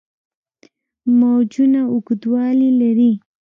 موجونه اوږدوالي لري.